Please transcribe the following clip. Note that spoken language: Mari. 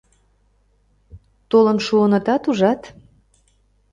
Толын шуынытат, ужат?